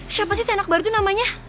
siapa sih anak baru tuh namanya